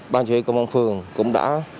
ban chủ yếu công an phường cũng đã